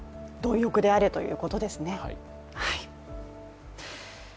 貪欲であれということですね。